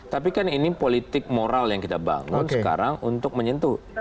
tapi kan ini politik moral yang kita bangun sekarang untuk menyentuh